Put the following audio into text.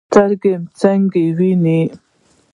سترګې څنګه ویني؟